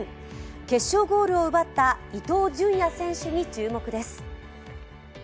決勝ゴールを奪った伊東純也選手に注目です。